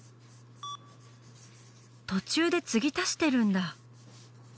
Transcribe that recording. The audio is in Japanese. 途中で継ぎ足してるんだ。